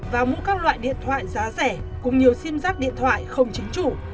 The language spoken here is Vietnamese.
và mua các loại điện thoại giá rẻ cùng nhiều sim giác điện thoại không chính chủ